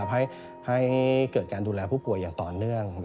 ให้เกิดการดูแลผู้ป่วยอย่างต่อเนื่อง